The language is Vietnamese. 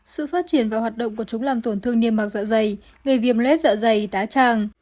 sự phát triển và hoạt động của chúng làm tổn thương niêm mạc dạ dày viêm lết dạ dày tá tràng